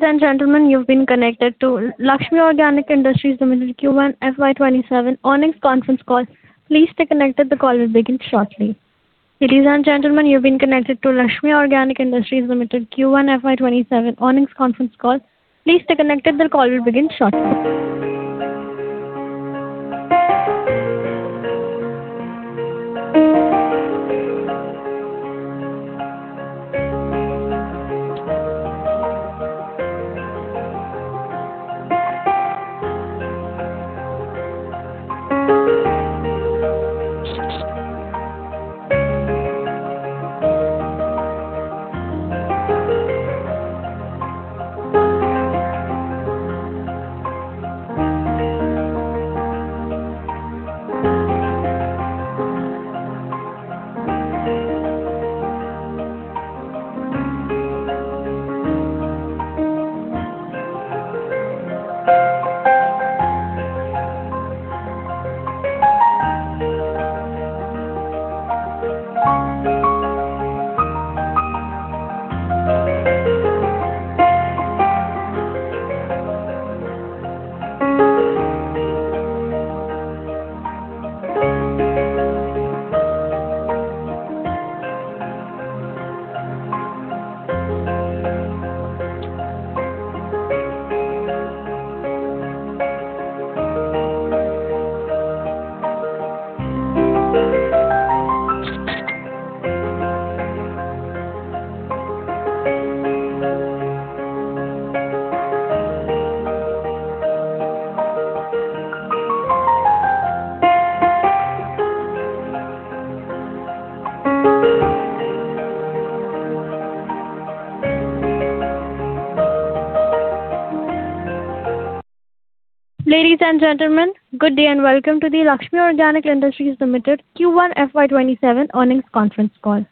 Ladies and gentlemen, good day and welcome to the Laxmi Organic Industries Limited Q1 FY 2027 earnings conference call.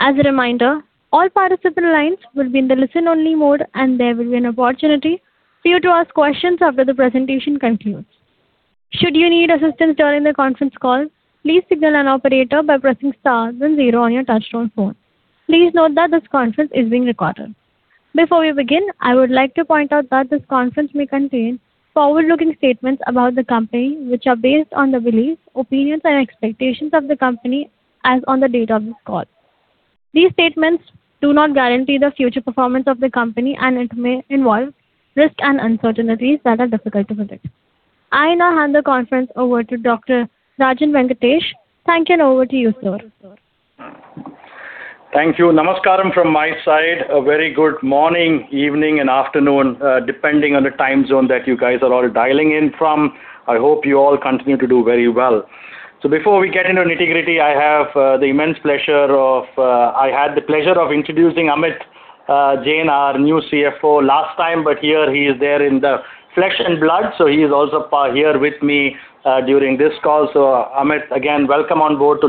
As a reminder, all participant lines will be in the listen-only mode, and there will be an opportunity for you to ask questions after the presentation concludes. Should you need assistance during the conference call, please signal an operator by pressing star then zero on your touch-tone phone. Please note that this conference is being recorded. Before we begin, I would like to point out that this conference may contain forward-looking statements about the company, which are based on the beliefs, opinions, and expectations of the company as on the date of this call. These statements do not guarantee the future performance of the company, and it may involve risks and uncertainties that are difficult to predict. I now hand the conference over to Dr. Rajan Venkatesh. Thank you, and over to you, sir. Thank you. Namaskaram from my side. A very good morning, evening, and afternoon, depending on the time zone that you guys are all dialing in from. I hope you all continue to do very well. So before we get into nitty-gritty, I have the immense pleasure of, I had the pleasure of introducing Amit Jain, our new CFO last time, but here he is there in the flesh and blood, so he is also here with me during this call. Amit, again, welcome on board to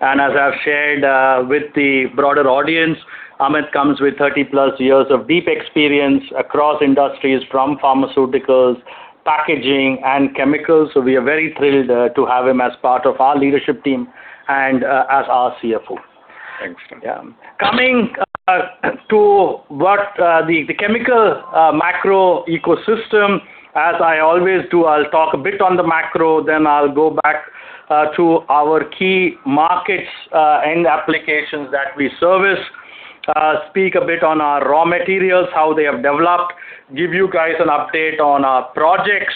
Laxmi. As I've shared with the broader audience, Amit comes with 30+ years of deep experience across industries from pharmaceuticals, packaging, and chemicals. We are very thrilled to have him as part of our leadership team and as our CFO. Thanks. Coming to what the chemical macro ecosystem, as I always do, I'll talk a bit on the macro, then I'll go back to our key markets, end applications that we service, speak a bit on our raw materials, how they have developed, give you guys an update on our projects,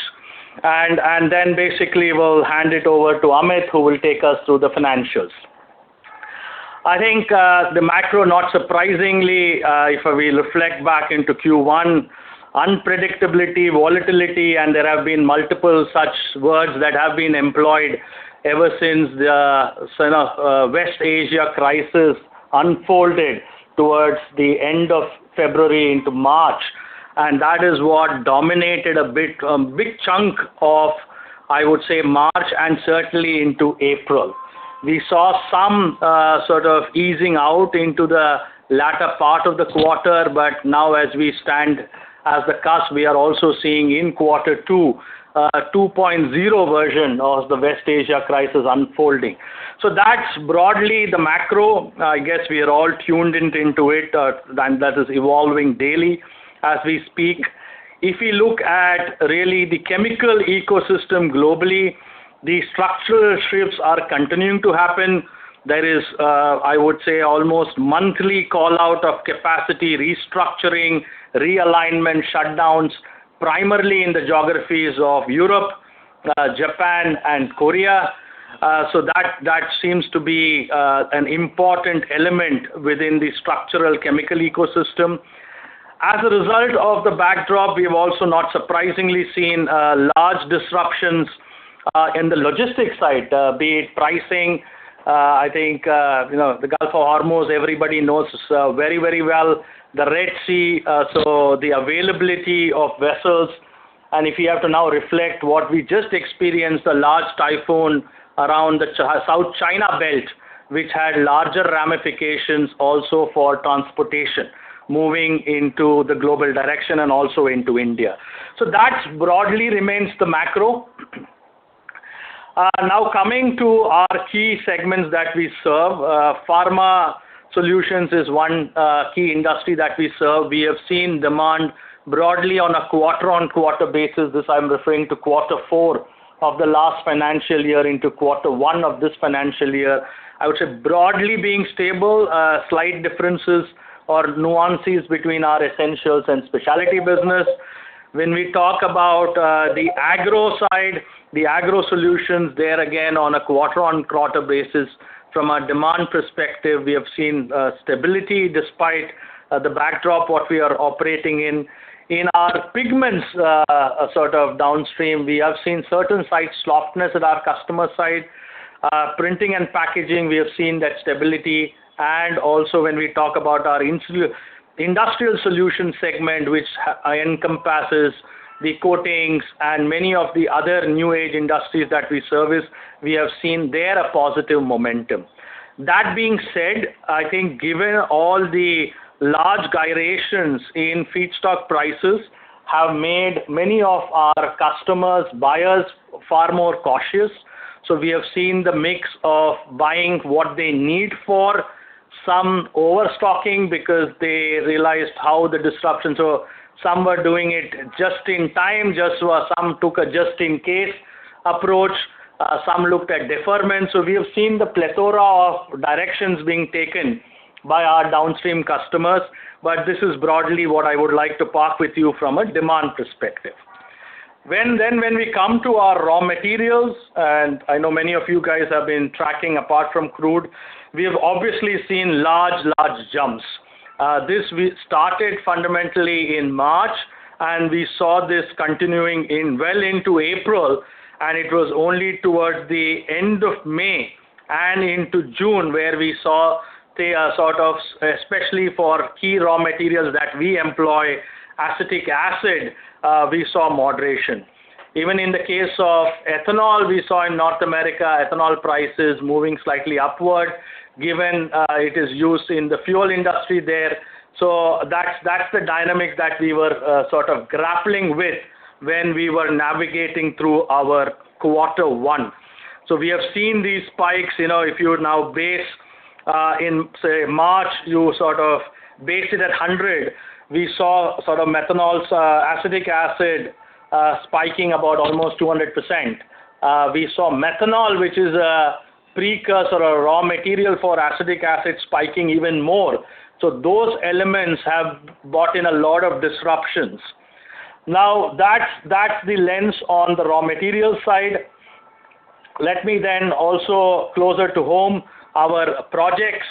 and then basically we'll hand it over to Amit, who will take us through the financials. I think, the macro, not surprisingly, if we reflect back into Q1, unpredictability, volatility, and there have been multiple such words that have been employed ever since the West Asia crisis unfolded towards the end of February into March, and that is what dominated a big chunk of, I would say, March and certainly into April. We saw some sort of easing out into the latter part of the quarter, but now as we stand as the cusp, we are also seeing in quarter two a 2.0 version of the West Asia crisis unfolding. That's broadly the macro. I guess we are all tuned into it. That is evolving daily as we speak. If we look at really the chemical ecosystem globally, the structural shifts are continuing to happen. There is, I would say, almost monthly call-out of capacity restructuring, realignment, shutdowns, primarily in the geographies of Europe, Japan, and Korea. That seems to be an important element within the structural chemical ecosystem. As a result of the backdrop, we've also not surprisingly seen large disruptions in the logistics side, be it pricing, I think, the Strait of Hormuz, everybody knows very well, the Red Sea, the availability of vessels, and if you have to now reflect what we just experienced, a large typhoon around the South China belt, which had larger ramifications also for transportation moving into the global direction and also into India. That broadly remains the macro. Now, coming to our key segments that we serve. Pharma solutions is one key industry that we serve. We have seen demand broadly on a quarter-on-quarter basis. This, I'm referring to quarter four of the last financial year into quarter one of this financial year. I would say broadly being stable, slight differences or nuances between our essentials and specialty business. When we talk about the agro side, the agro solutions, there again, on a quarter-on-quarter basis from a demand perspective, we have seen stability despite the backdrop what we are operating in. In our pigments, sort of downstream, we have seen certain sites slowness at our customer site. Printing and packaging, we have seen that stability. When we talk about our industrial solution segment, which encompasses the coatings and many of the other new age industries that we service, we have seen there a positive momentum. That being said, I think given all the large gyrations in feedstock prices have made many of our customers, buyers, far more cautious. We have seen the mix of buying what they need for some overstocking because they realized how the disruptions were. Some were doing it just in time, just where some took a just in case approach, some looked at deferment. We have seen the plethora of directions being taken by our downstream customers. This is broadly what I would like to park with you from a demand perspective. When we come to our raw materials, and I know many of you guys have been tracking apart from crude, we have obviously seen large jumps. This started fundamentally in March, and we saw this continuing well into April, and it was only towards the end of May and into June, where we saw, especially for key raw materials that we employ, acetic acid, we saw moderation. Even in the case of ethanol, we saw in North America, ethanol prices moving slightly upward, given it is used in the fuel industry there. That's the dynamic that we were grappling with when we were navigating through our quarter one. We have seen these spikes. If you now base in, say, March, you base it at 100, we saw methanol's acetic acid spiking about almost 200%. We saw methanol, which is a precursor or raw material for acetic acid, spiking even more. Those elements have brought in a lot of disruptions. That's the lens on the raw material side. Let me also closer to home, our projects,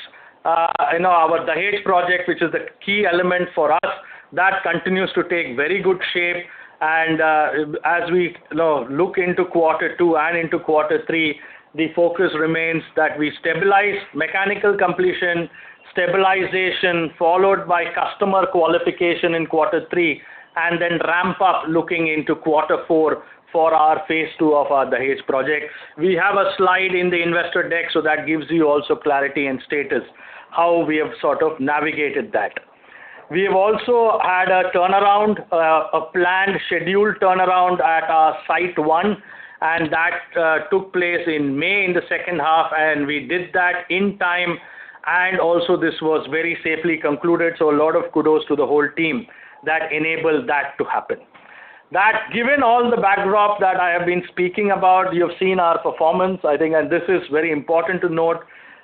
our Dahej project, which is the key element for us, that continues to take very good shape. As we look into quarter two and into quarter three, the focus remains that we stabilize mechanical completion, stabilization, followed by customer qualification in quarter three, and then ramp up looking into quarter four for our phase two of our Dahej project. We have a slide in the investor deck, that gives you also clarity and status, how we have navigated that. We have also had a turnaround, a planned scheduled turnaround at our Site 1, that took place in May in the second half, we did that in time. Also this was very safely concluded, a lot of kudos to the whole team that enabled that to happen. Given all the backdrop that I have been speaking about, you have seen our performance, I think, this is very important to note.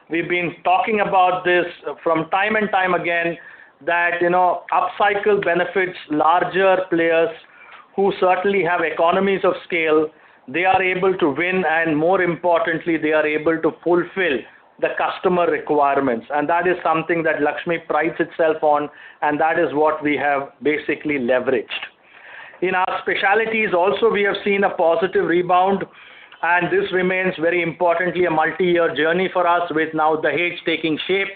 We've been talking about this from time and time again, that upcycle benefits larger players who certainly have economies of scale. They are able to win, more importantly, they are able to fulfill the customer requirements. That is something that Laxmi prides itself on, that is what we have basically leveraged. In our specialties also, we have seen a positive rebound, this remains very importantly a multi-year journey for us with now Dahej taking shape.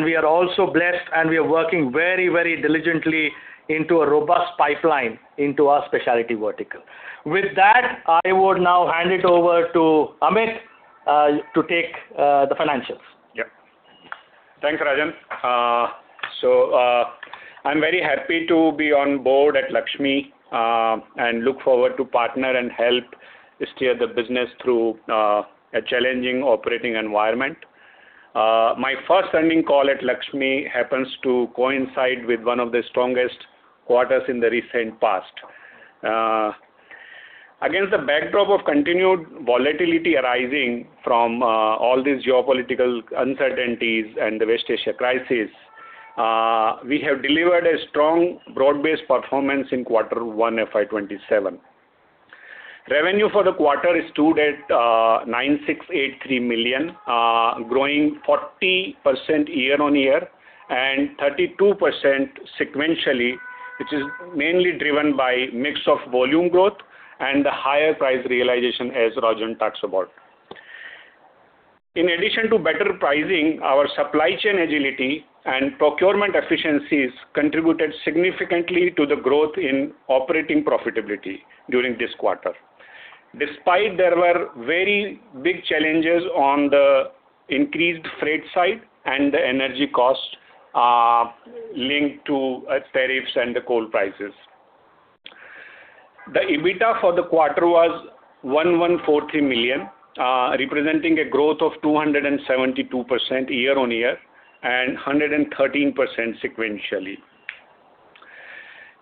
We are also blessed, we are working very diligently into a robust pipeline into our specialty vertical. With that, I would now hand it over to Amit to take the financials. Yep. Thanks, Rajan. I'm very happy to be on board at Laxmi, look forward to partner and help steer the business through a challenging operating environment. My first earning call at Laxmi happens to coincide with one of the strongest quarters in the recent past. Against the backdrop of continued volatility arising from all these geopolitical uncertainties and the West Asia crisis, we have delivered a strong broad-based performance in quarter one FY 2027. Revenue for the quarter stood at 9,683 million, growing 40% year-on-year and 32% sequentially, which is mainly driven by mix of volume growth and the higher price realization as Rajan talks about. In addition to better pricing, our supply chain agility and procurement efficiencies contributed significantly to the growth in operating profitability during this quarter. Despite there were very big challenges on the increased freight side and the energy cost linked to tariffs and the coal prices. The EBITDA for the quarter was 114 million, representing a growth of 272% year-on-year and 113% sequentially.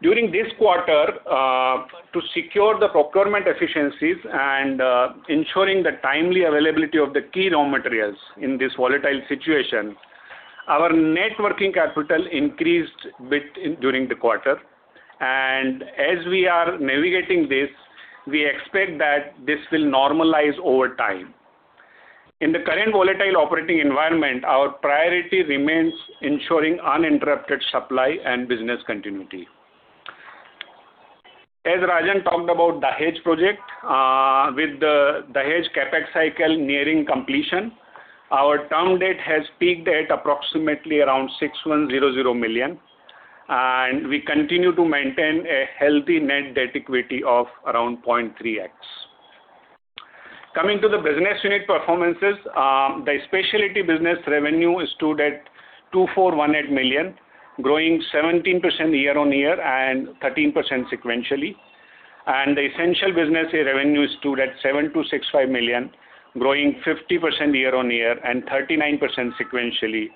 During this quarter, to secure the procurement efficiencies and ensuring the timely availability of the key raw materials in this volatile situation, our net working capital increased a bit during the quarter. As we are navigating this, we expect that this will normalize over time. In the current volatile operating environment, our priority remains ensuring uninterrupted supply and business continuity. As Rajan talked about Dahej project, with the Dahej CapEx cycle nearing completion, our term debt has peaked at approximately around 601 million, and we continue to maintain a healthy net debt equity of around 0.3X. Coming to the business unit performances, the specialty business revenue stood at 241 million, growing 17% year-on-year and 13% sequentially. The essential business revenue stood at 726 million, growing 50% year-on-year and 39% sequentially,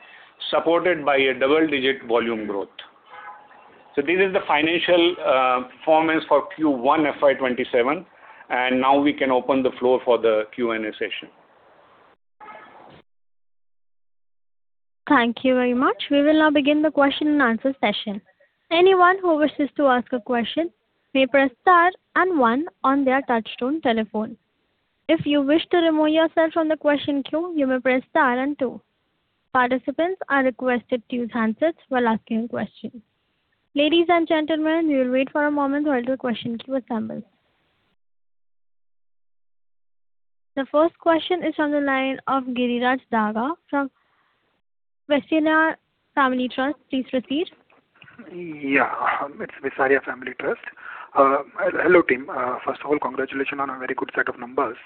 supported by a double-digit volume growth. This is the financial performance for Q1 FY 2027, and now we can open the floor for the Q&A session. Thank you very much. We will now begin the question-and-answer session. Anyone who wishes to ask a question may press star one on their touchtone telephone. If you wish to remove yourself from the question queue, you may press star two. Participants are requested to use handsets while asking questions. Ladies and gentlemen, we will wait for a moment while the question queue assembles. The first question is on the line of Giriraj Daga from Visaria Family Trust. Please proceed. It's Visaria Family Trust. Hello, team. First of all, congratulations on a very good set of numbers.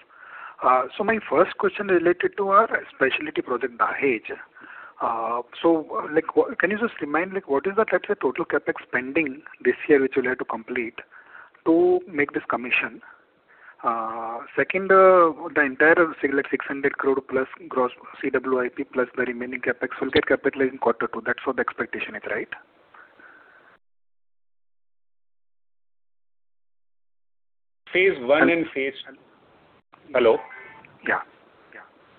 My first question related to our specialty project, Dahej. Can you just remind me, what is the total CapEx spending this year, which you'll have to complete to make this commission? Second, the entire 600 crore plus gross CWIP plus the remaining CapEx will get capitalized in Q2. That's what the expectation is, right? Hello? Yeah.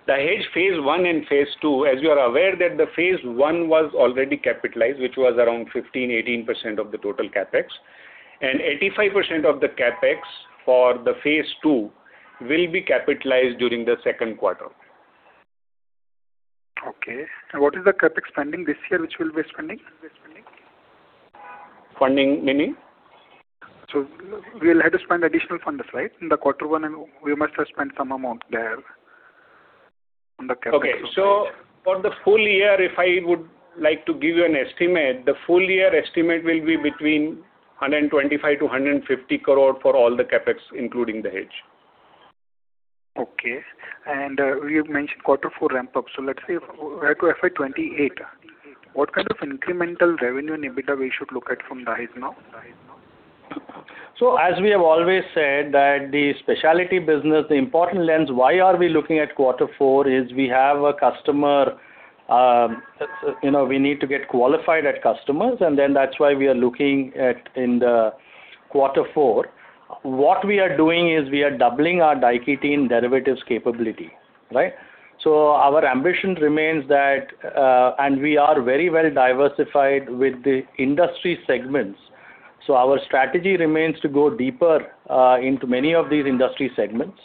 Dahej phase one and phase two, as you are aware, that the phase one was already capitalized, which was around 15%-18% of the total CapEx, and 85% of the CapEx for the phase two will be capitalized during the second quarter. What is the CapEx spending this year, which we'll be spending? Funding, meaning? We will have to spend additional funds, right? In the quarter one, we must have spent some amount there on the CapEx. Okay. For the full-year, if I would like to give you an estimate, the full-year estimate will be between 125 crore to 150 crore for all the CapEx, including Dahej. Okay. We've mentioned quarter four ramp up. Let's say right to FY 2028, what kind of incremental revenue and EBITDA we should look at from Dahej now? As we have always said that the specialty business, the important lens, why are we looking at quarter four is we have a customer, we need to get qualified at customers, and then that's why we are looking at in the quarter four. What we are doing is we are doubling our diketene derivatives capability. Right? Our ambition remains that, and we are very well diversified with the industry segments. Our strategy remains to go deeper into many of these industry segments.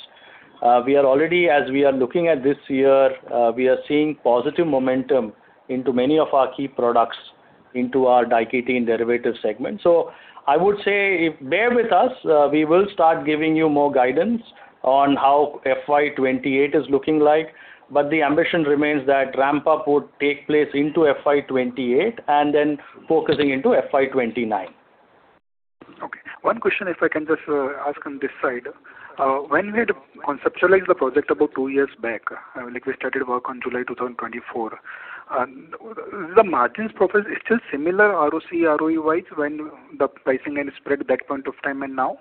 We are already, as we are looking at this year, we are seeing positive momentum into many of our key products into our diketene derivative segment. I would say bear with us, we will start giving you more guidance on how FY 2028 is looking like. The ambition remains that ramp-up would take place into FY 2028 and then focusing into FY 2029. Okay. One question, if I can just ask on this side. When we had conceptualized the project about two years back, we started work on July 2024. The margins profit is still similar ROC, ROE-wide when the pricing and spread that point of time and now?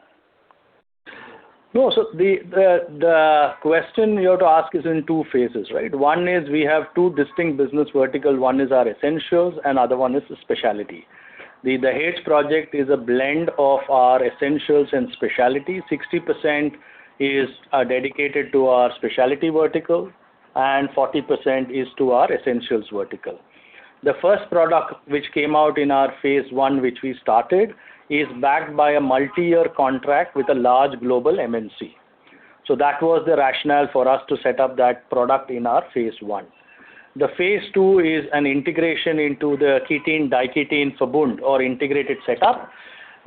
The question you have to ask is in two phases, right? One is we have two distinct business vertical. One is our essentials and other one is the specialty. The Dahej project is a blend of our essentials and specialty. 60% is dedicated to our specialty vertical and 40% is to our essentials vertical. The first product which came out in our phase I, which we started, is backed by a multi-year contract with a large global MNC. That was the rationale for us to set up that product in our phase I. The phase II is an integration into the ketene, diketene Verbund or integrated setup.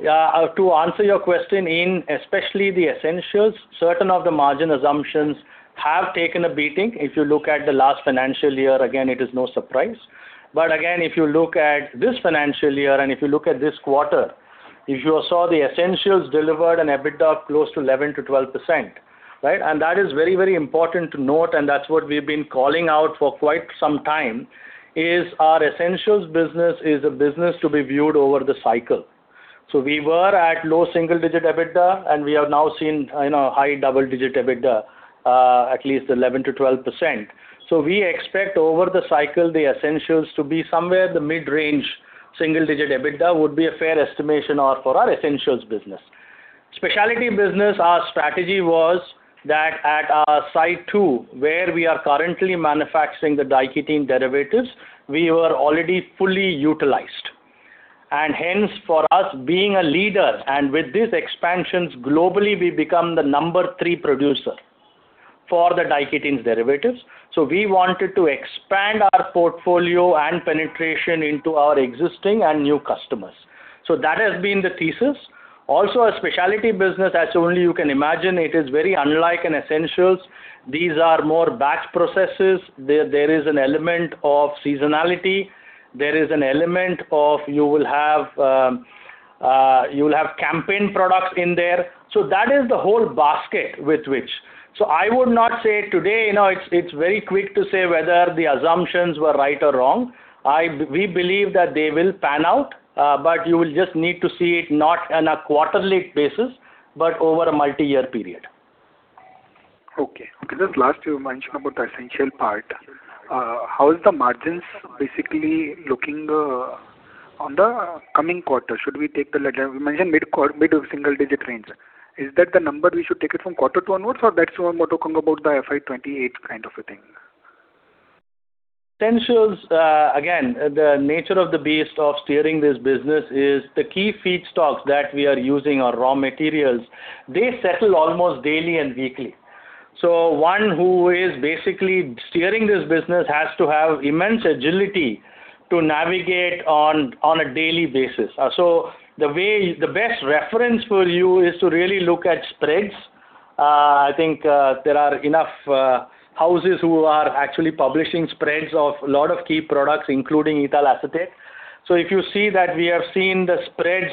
To answer your question in especially the essentials, certain of the margin assumptions have taken a beating. If you look at the last financial year, again, it is no surprise. Again, if you look at this financial year, if you look at this quarter, if you saw the essentials delivered an EBITDA close to 11%-12%. That is very important to note, that's what we've been calling out for quite some time, is our essentials business is a business to be viewed over the cycle. We were at low single-digit EBITDA, we have now seen high double-digit EBITDA, at least 11%-12%. We expect over the cycle, the essentials to be somewhere the mid-range single-digit EBITDA would be a fair estimation for our essentials business. Specialty business, our strategy was that at our site two, where we are currently manufacturing the diketene derivatives, we were already fully utilized. Hence for us being a leader and with these expansions globally, we become the number three producer for the diketene derivatives. We wanted to expand our portfolio and penetration into our existing and new customers. That has been the thesis. Also, a specialty business, as only you can imagine, it is very unlike an essentials. These are more batch processes. There is an element of seasonality. There is an element of you will have campaign products in there. That is the whole basket with which. I would not say today, it's very quick to say whether the assumptions were right or wrong. We believe that they will pan out, but you will just need to see it not on a quarterly basis, but over a multi-year period. Okay. Just last, you mentioned about the essential part. How is the margins basically looking on the coming quarter? You mentioned mid-single digit range. Is that the number we should take it from quarter one onwards, or that you are more talking about the FY 2028 kind of a thing? Essentials, again, the nature of the beast of steering this business is the key feedstocks that we are using are raw materials. They settle almost daily and weekly. One who is basically steering this business has to have immense agility to navigate on a daily basis. The best reference for you is to really look at spreads. I think there are enough houses who are actually publishing spreads of a lot of key products, including ethyl acetate. If you see that we have seen the spreads,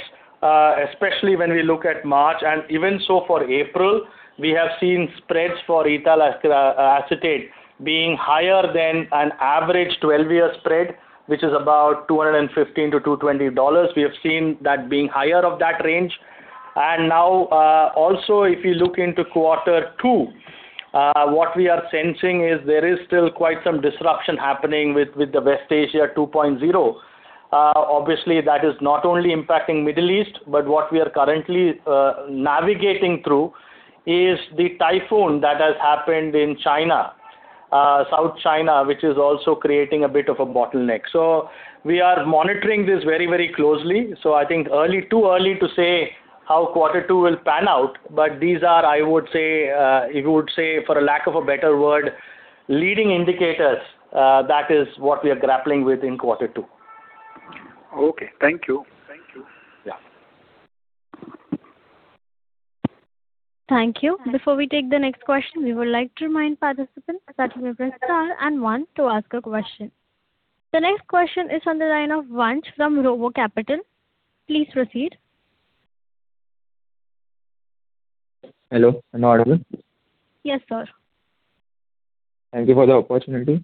especially when we look at March, and even so for April, we have seen spreads for ethyl acetate being higher than an average 12-year spread, which is about INR 215-INR 220. We have seen that being higher of that range. Now, also if you look into quarter two, what we are sensing is there is still quite some disruption happening with the West Asia 2.0. Obviously, that is not only impacting Middle East, but what we are currently navigating through is the typhoon that has happened in China, South China, which is also creating a bit of a bottleneck. We are monitoring this very closely. I think too early to say how quarter two will pan out, but these are, I would say, for lack of a better word, leading indicators, that is what we are grappling with in quarter two. Okay. Thank you. Yeah. Thank you. Before we take the next question, we would like to remind participants that you may press star and one to ask a question. The next question is on the line of Vansh from RoboCapital. Please proceed. Hello, am I audible? Yes, sir. Thank you for the opportunity.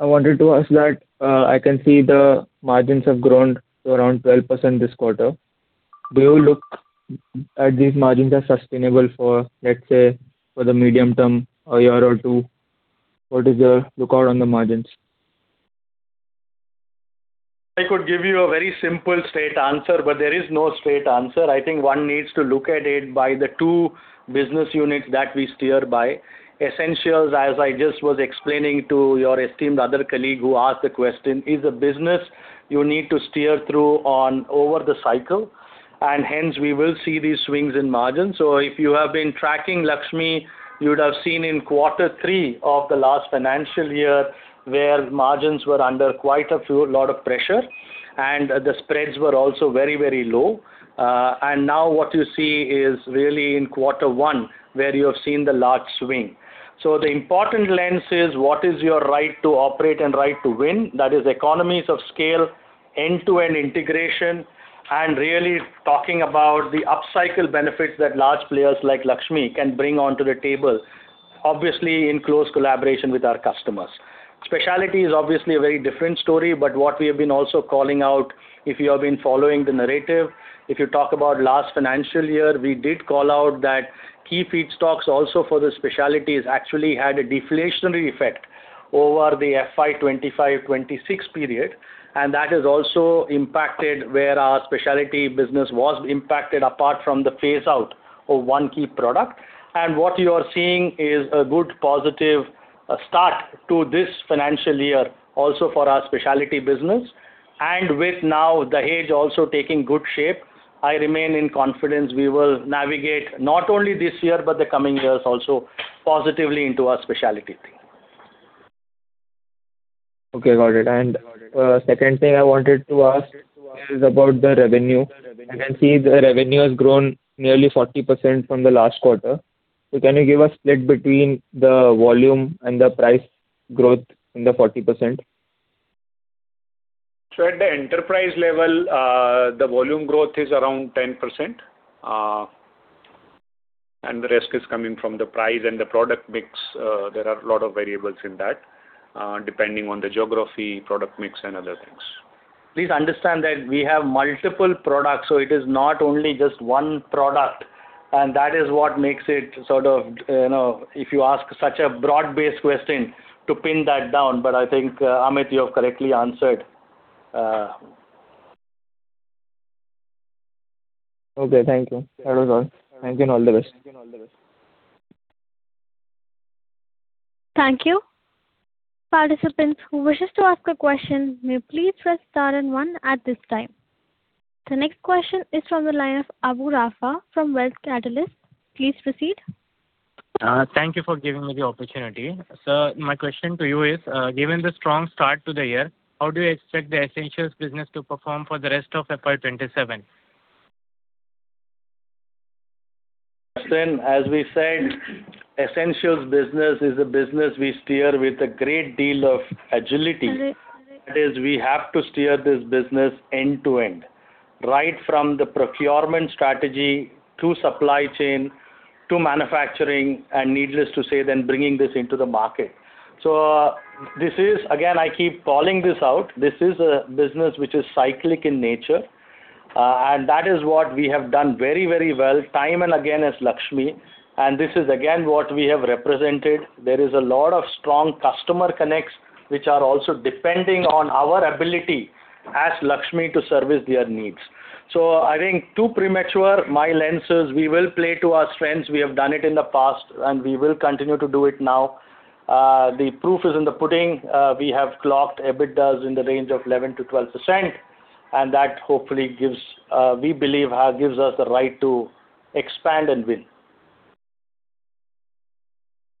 I wanted to ask that, I can see the margins have grown to around 12% this quarter. Do you look at these margins as sustainable for, let's say, for the medium term, a year or two? What is your lookout on the margins? I could give you a very simple straight answer, there is no straight answer. I think one needs to look at it by the two business units that we steer by. Essentials, as I just was explaining to your esteemed other colleague who asked the question, is a business you need to steer through on over the cycle, hence we will see these swings in margins. If you have been tracking Laxmi, you would have seen in quarter three of the last financial year, where margins were under quite a lot of pressure, the spreads were also very low. Now what you see is really in quarter one, where you have seen the large swing. The important lens is what is your right to operate and right to win, that is economies of scale, end-to-end integration, and really talking about the upcycle benefits that large players like Laxmi can bring onto the table, obviously in close collaboration with our customers. Specialty is obviously a very different story, what we have been also calling out, if you have been following the narrative, if you talk about last financial year, we did call out that key feedstocks also for the specialty actually had a deflationary effect over the FY 2025, 2026 period. That has also impacted where our specialty business was impacted apart from the phase out of one key product. What you are seeing is a good positive start to this financial year also for our specialty business. With now the hedge also taking good shape, I remain in confidence we will navigate not only this year but the coming years also positively into our specialty. Okay, got it. Second thing I wanted to ask is about the revenue. I can see the revenue has grown nearly 40% from the last quarter. Can you give a split between the volume and the price growth in the 40%? At the enterprise level, the volume growth is around 10%, and the rest is coming from the price and the product mix. There are a lot of variables in that, depending on the geography, product mix, and other things. Please understand that we have multiple products, so it is not only just one product. If you ask such a broad-based question to pin that down, but I think, Amit, you have correctly answered. Okay, thank you. That was all. Thank you, and all the best. Thank you. Participants who wishes to ask a question may please press star and one at this time. The next question is from the line of Abu Rafa from Wealth Catalyst. Please proceed. Thank you for giving me the opportunity. Sir, my question to you is, given the strong start to the year, how do you expect the essentials business to perform for the rest of FY 2027? As we said, essentials business is a business we steer with a great deal of agility. That is, we have to steer this business end to end, right from the procurement strategy to supply chain to manufacturing, needless to say, then bringing this into the market. This is, again, I keep calling this out, this is a business which is cyclic in nature, that is what we have done very well time and again as Laxmi, this is again what we have represented. There is a lot of strong customer connects, which are also depending on our ability as Laxmi to service their needs. I think too premature, my lens is we will play to our strengths. We have done it in the past, and we will continue to do it now. The proof is in the pudding. We have clocked EBITDA in the range of 11%-12%, that hopefully, we believe, gives us the right to expand and win.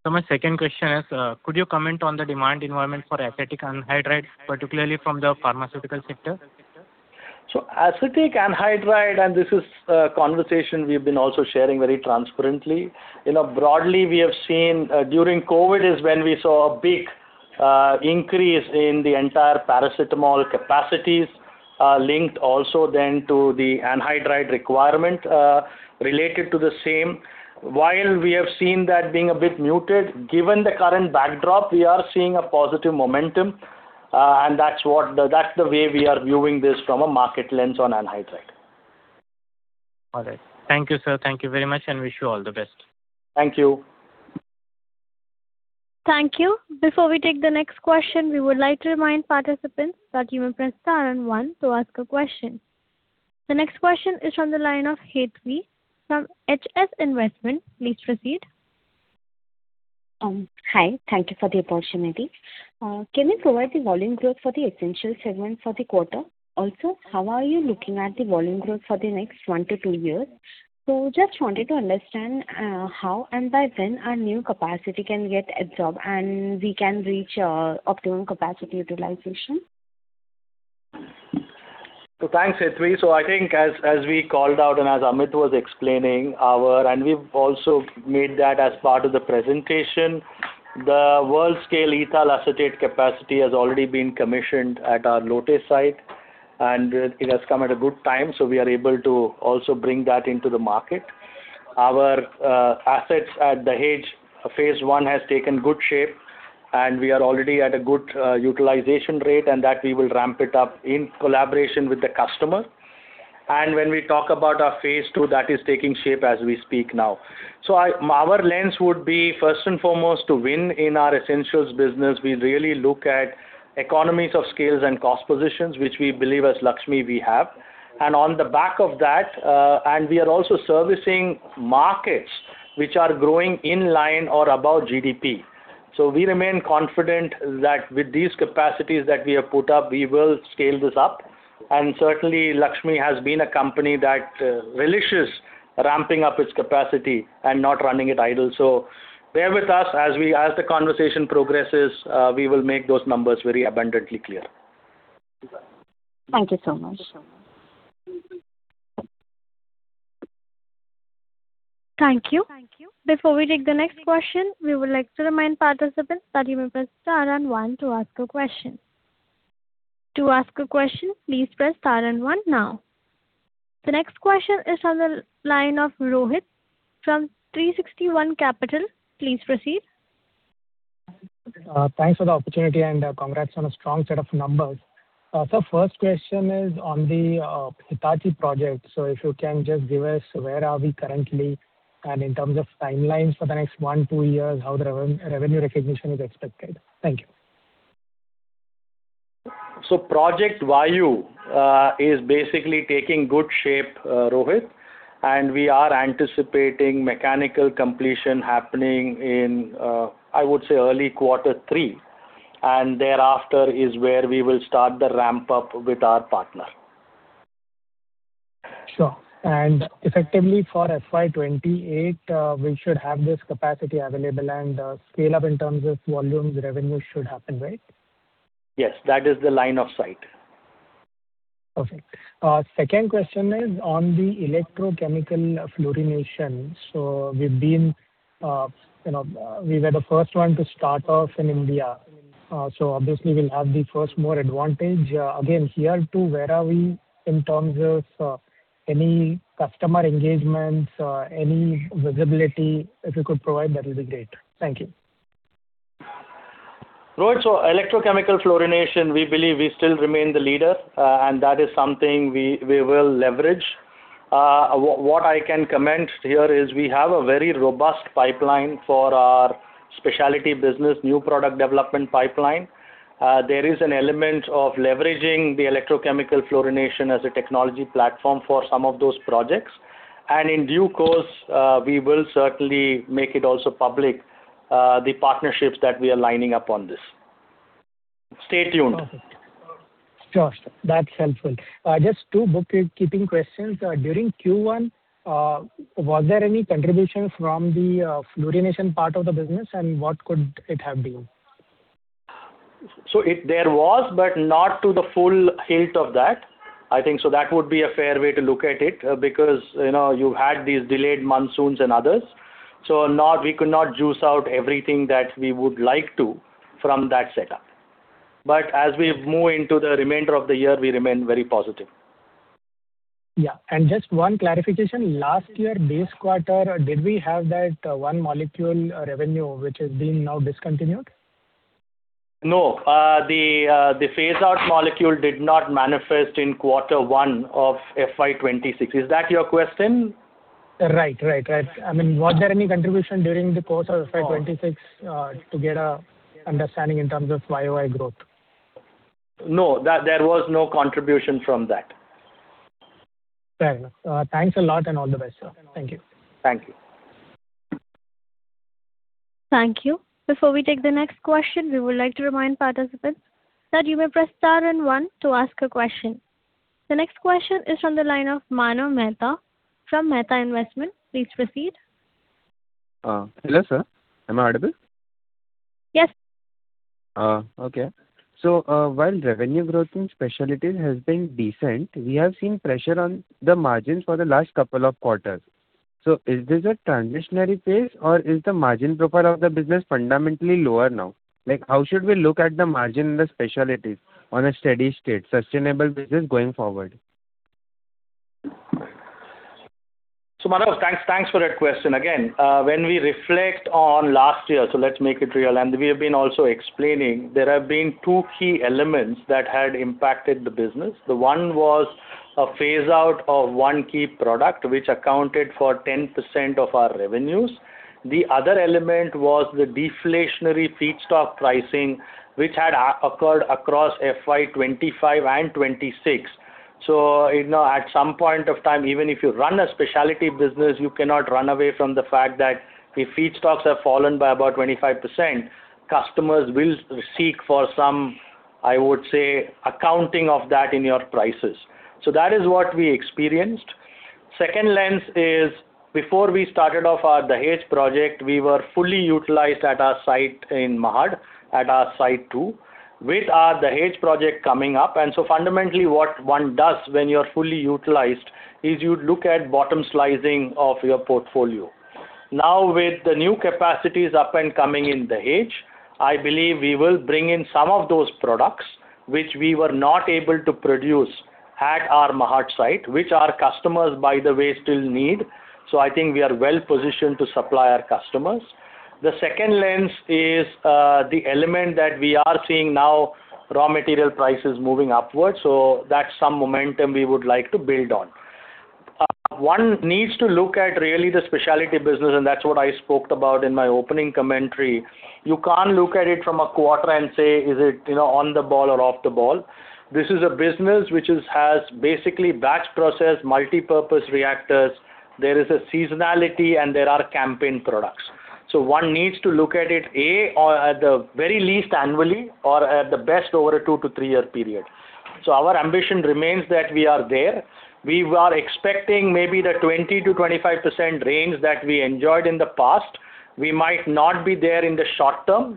My second question is, could you comment on the demand environment for acetic anhydride, particularly from the pharmaceutical sector? Acetic anhydride, and this is a conversation we've been also sharing very transparently. Broadly, we have seen during COVID is when we saw a big increase in the entire paracetamol capacities, linked also then to the anhydride requirement, related to the same. While we have seen that being a bit muted, given the current backdrop, we are seeing a positive momentum, and that's the way we are viewing this from a market lens on anhydride. All right. Thank you, sir. Thank you very much, and wish you all the best. Thank you. Thank you. Before we take the next question, we would like to remind participants that you may press star and one to ask a question. The next question is from the line of Hetvi from HS Investment. Please proceed. Hi. Thank you for the opportunity. Can you provide the volume growth for the essentials segment for the quarter? Also, how are you looking at the volume growth for the next one to two years? Just wanted to understand how and by when our new capacity can get absorbed, and we can reach our optimum capacity utilization. Thanks, Hetvi. I think as we called out and as Amit was explaining, and we've also made that as part of the presentation, the world scale ethyl acetate capacity has already been commissioned at our Lote site, and it has come at a good time, so we are able to also bring that into the market. Our assets at Dahej phase I has taken good shape, and we are already at a good utilization rate, and that we will ramp it up in collaboration with the customer. When we talk about our phase II, that is taking shape as we speak now. Our lens would be, first and foremost, to win in our essentials business. We really look at economies of scales and cost positions, which we believe as Laxmi we have. On the back of that, we are also servicing markets which are growing in line or above GDP. We remain confident that with these capacities that we have put up, we will scale this up. Certainly, Laxmi has been a company that relishes ramping up its capacity and not running it idle. Bear with us. As the conversation progresses, we will make those numbers very abundantly clear. Thank you so much. Thank you. Before we take the next question, we would like to remind participants that you may press star and one to ask a question. To ask a question, please press star and one now. The next question is on the line of Rohit from 360 ONE. Please proceed. Thanks for the opportunity and congrats on a strong set of numbers. Sir, first question is on the Dahej project. If you can just give us where are we currently, in terms of timelines for the next one, two years, how the revenue recognition is expected. Thank you. Project Vaayu is basically taking good shape, Rohit, we are anticipating mechanical completion happening in, I would say, early quarter three, thereafter is where we will start the ramp-up with our partner. Sure. Effectively for FY 2028, we should have this capacity available scale-up in terms of volumes, revenue should happen, right? Yes, that is the line of sight Perfect. Second question is on the electrochemical fluorination. We were the first one to start off in India, obviously we'll have the first-mover advantage. Again, here too, where are we in terms of any customer engagements or any visibility? If you could provide, that will be great. Thank you. Right. Electrochemical fluorination, we believe we still remain the leader, and that is something we will leverage. What I can comment here is we have a very robust pipeline for our specialty business, new product development pipeline. There is an element of leveraging the electrochemical fluorination as a technology platform for some of those projects, in due course, we will certainly make it also public, the partnerships that we are lining up on this. Stay tuned. Perfect. Sure. That's helpful. Just two book-keeping questions. During Q1, was there any contribution from the fluorination part of the business, what could it have been? There was, but not to the full height of that. I think so that would be a fair way to look at it. You had these delayed monsoons and others, so we could not juice out everything that we would like to from that setup. As we move into the remainder of the year, we remain very positive. Yeah. Just one clarification. Last year base quarter, did we have that one molecule revenue, which is being now discontinued? No. The phase out molecule did not manifest in quarter one of FY 2026. Is that your question? Right. Was there any contribution during the course of FY 2026, to get an understanding in terms of YOY growth? No. There was no contribution from that. Fair enough. Thanks a lot, and all the best, sir. Thank you. Thank you. Thank you. Before we take the next question, we would like to remind participants that you may press star and one to ask a question. The next question is from the line of Manav Mehta from Mehta Investment. Please proceed. Hello, sir. Am I audible? Yes. While revenue growth in specialties has been decent, we have seen pressure on the margins for the last couple of quarters. Is this a transitionary phase or is the margin profile of the business fundamentally lower now? How should we look at the margin in the specialties on a steady state, sustainable basis going forward? Manav, thanks for that question. Again, when we reflect on last year, let's make it real, and we have been also explaining there have been two key elements that had impacted the business. One was a phase out of one key product, which accounted for 10% of our revenues. The other element was the deflationary feedstock pricing, which had occurred across FY 2025 and 2026. At some point of time, even if you run a specialty business, you cannot run away from the fact that if feedstocks have fallen by about 25%, customers will seek for some, I would say, accounting of that in your prices. That is what we experienced. Second lens is, before we started off our Dahej project, we were fully utilized at our site in Mahad, at our site two. With our Dahej project coming up, fundamentally what one does when you're fully utilized is you look at bottom slicing of your portfolio. Now, with the new capacities up and coming in Dahej, I believe we will bring in some of those products which we were not able to produce at our Mahad site, which our customers, by the way, still need. I think we are well-positioned to supply our customers. The second lens is, the element that we are seeing now, raw material prices moving upwards. That's some momentum we would like to build on. One needs to look at really the specialty business, and that's what I spoke about in my opening commentary. You can't look at it from a quarter and say, "Is it on the ball or off the ball?" This is a business which has basically batch process, multipurpose reactors. There is a seasonality and there are campaign products. One needs to look at it, A, at the very least annually or at the best over a two to three-year period. Our ambition remains that we are there. We were expecting maybe the 20%-25% range that we enjoyed in the past. We might not be there in the short term,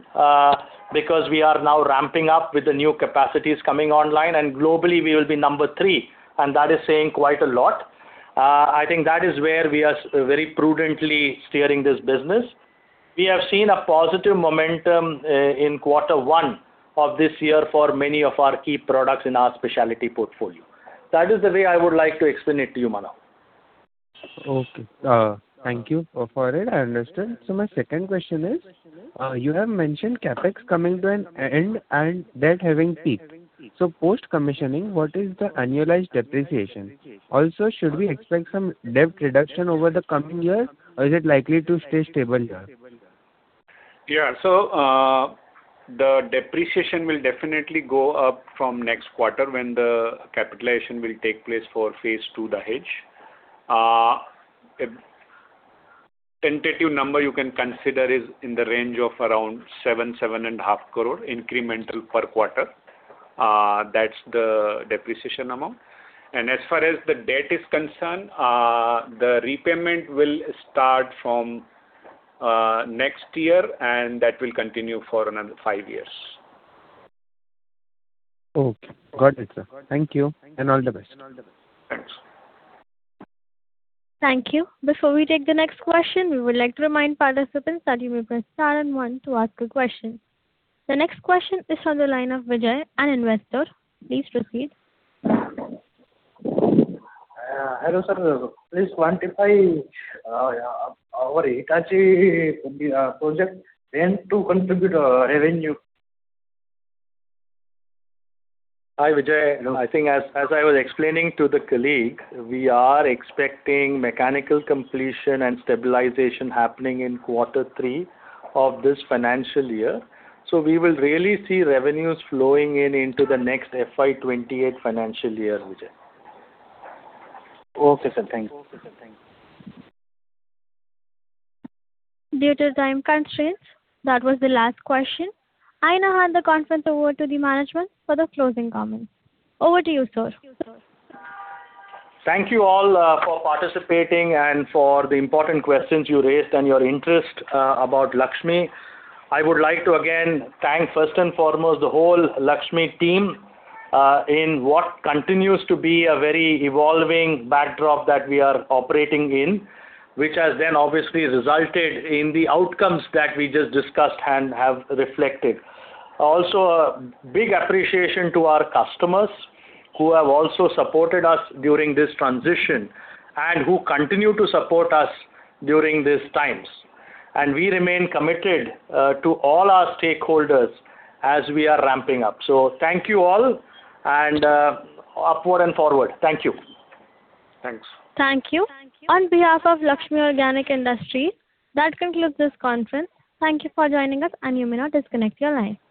because we are now ramping up with the new capacities coming online, and globally we will be number three, and that is saying quite a lot. I think that is where we are very prudently steering this business. We have seen a positive momentum in quarter one of this year for many of our key products in our specialty portfolio. That is the way I would like to explain it to you, Manav. Okay. Thank you for it. I understand. My second question is, you have mentioned CapEx coming to an end and debt having peaked. Post-commissioning, what is the annualized depreciation? Also, should we expect some debt reduction over the coming years or is it likely to stay stable here? The depreciation will definitely go up from next quarter when the capitalization will take place for phase II Dahej. A tentative number you can consider is in the range of around 7.5 crore incremental per quarter. That's the depreciation amount. As far as the debt is concerned, the repayment will start from next year, and that will continue for another five years. Okay, got it, sir. Thank you, and all the best. Thank you. Before we take the next question, we would like to remind participants that you may press star and one to ask a question. The next question is on the line of Vijay, an investor. Please proceed. Hello, sir. Please quantify our Dahej project when to contribute revenue. Hi, Vijay. I think as I was explaining to the colleague, we are expecting mechanical completion and stabilization happening in quarter three of this financial year. We will really see revenues flowing in into the next FY 2028 financial year, Vijay. Okay, sir. Thank you. Due to time constraints, that was the last question. I now hand the conference over to the management for the closing comments. Over to you, sir. Thank you all for participating and for the important questions you raised and your interest about Laxmi. I would like to again thank first and foremost the whole Laxmi team, in what continues to be a very evolving backdrop that we are operating in, which has then obviously resulted in the outcomes that we just discussed and have reflected. Also, a big appreciation to our customers, who have also supported us during this transition and who continue to support us during these times. We remain committed to all our stakeholders as we are ramping up. Thank you all and upward and forward. Thank you. Thanks. Thank you. On behalf of Laxmi Organic Industries, that concludes this conference. Thank you for joining us, and you may now disconnect your lines.